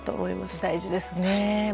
大事ですね。